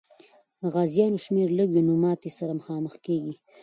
که د غازیانو شمېر لږ وي، نو ماتي سره مخامخ کېږي.